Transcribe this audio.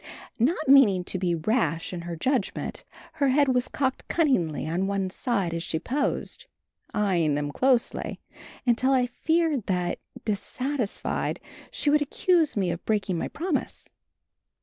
Not meaning to be rash in her judgment, her head was cocked cunningly on one side as she poised, eyeing them closely, until I feared that, dissatisfied, she would accuse me of breaking my promise.